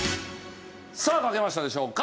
さあ書けましたでしょうか？